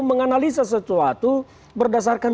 menganalisa sesuatu berdasarkan